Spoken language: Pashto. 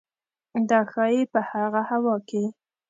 دا ښايي په هغه هوا کې